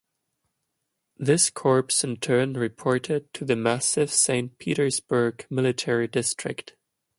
This corps in turn reported to the massive Saint Petersburg Military District.